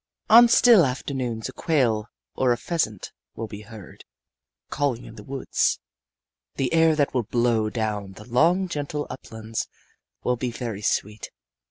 On still afternoons a quail or a pheasant will be heard calling in the woods. The air that will blow down the long gentle uplands will be very sweet.